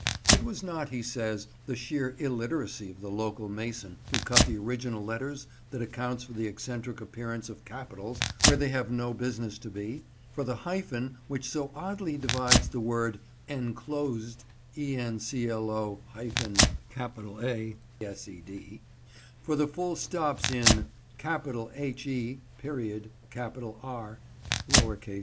It was not, he says, the sheer illiteracy of the local mason who cut the original letters that accounts for the eccentric appearance of capitals where they have no business to be; for the hyphen which so oddly divides the word "Enclo Ased"; for the full stops in "HE.Re."